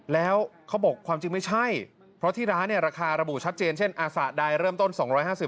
แล้วเขาบอกความจริงไม่ใช่เพราะที่ร้านเนี่ยราคาระบุชัดเจนเช่นอาสะใดเริ่มต้น๒๕๐บาท